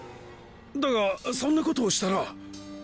だがそんなことをしたら。